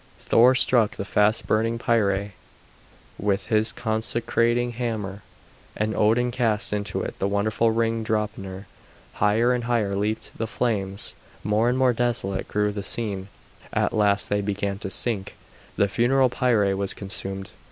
Thor struck the fast burning pyre with his consecrating hammer, and Odin cast into it the wonderful ring Draupner. Higher and higher leaped the flames, more and more desolate grew the scene; at last they began to sink, the funeral pyre was consumed.